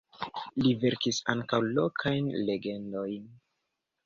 Li verkis ankaŭ lokajn legendojn.